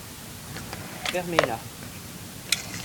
fermez-là.